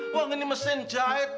wang ini mesin jahit